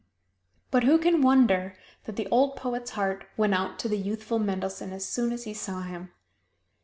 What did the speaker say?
But who can wonder that the old poet's heart went out to the youthful Mendelssohn as soon as he saw him!